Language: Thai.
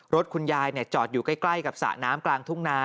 รถคุณยายจอดอยู่ใกล้กับสระน้ำกลางทุ่งนา